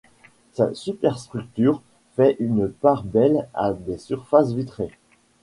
Sa superstructure fait une part belle à des surfaces vitrées.